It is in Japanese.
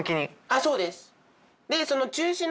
あっそうです。